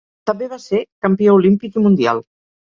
També va ser campió olímpic i mundial.